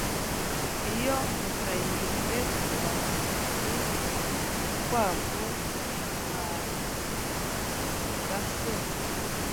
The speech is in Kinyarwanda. iyo MutayirekuraNi Urukwavu Mwarekuraga Se